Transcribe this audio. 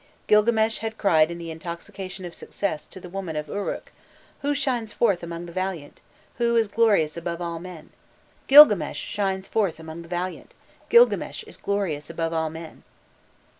Gilgames had cried in the intoxication of success to the women of Uruk: "Who shines forth among the valiant? Who is glorious above all men? Gilgames shines forth among the valiant, Gilgames is glorious above all men."